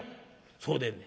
「そうでんねん。